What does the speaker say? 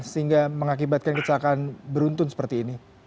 sehingga mengakibatkan kecelakaan beruntun seperti ini